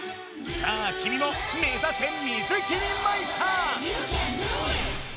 さあきみもめざせ水切りマイスター！